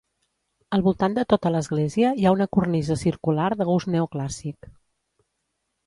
Al voltant de tota l'església hi ha una cornisa circular de gust neoclàssic.